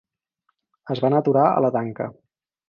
Es van aturar a la tanca.